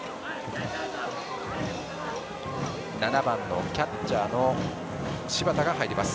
７番キャッチャーの柴田が入ります。